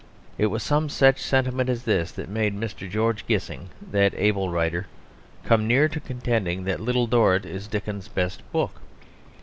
It was some such sentiment as this that made Mr. George Gissing, that able writer, come near to contending that Little Dorrit is Dickens's best book.